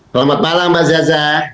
selamat malam mbak zaza